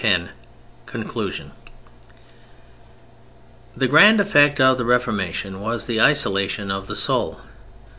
X CONCLUSION The grand effect of the Reformation was the isolation of the soul.